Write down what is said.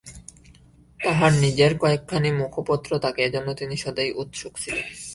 তাঁহার নিজের কয়েকখানি মুখপত্র থাকে, এজন্য তিনি সদাই উৎসুক ছিলেন।